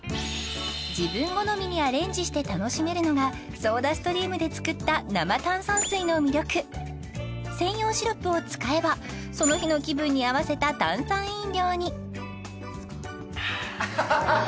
自分好みにアレンジして楽しめるのがソーダストリームで作った生炭酸水の魅力専用シロップを使えばその日の気分に合わせた炭酸飲料にあっアハハハハハ！